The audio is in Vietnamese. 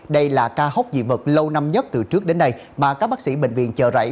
đây là ca hốc dị vật lâu năm nhất từ trước đến nay mà các bác sĩ bệnh viện chợ rẫy